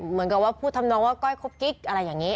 เหมือนกับว่าพูดทำนองว่าก้อยคบกิ๊กอะไรอย่างนี้